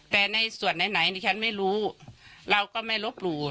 แต่ในส่วนไหนดิฉันไม่รู้เราก็ไม่ลบหลู่